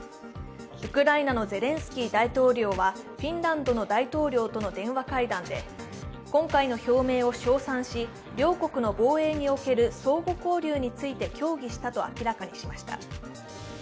ウクライナのゼレンスキー大統領はフィンランドの大統領との電話会談で、今回の表明を称賛し、両国の防衛における相互交流について協議したと明らかにしました。